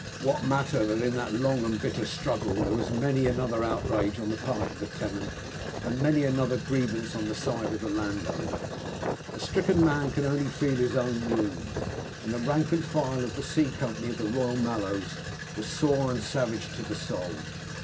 What matter that in that long and bitter struggle there was many another outrage on the part of the tenant, and many another grievance on the side of the landowner! A stricken man can only feel his own wound, and the rank and file of the C Company of the Royal Mallows were sore and savage to the soul.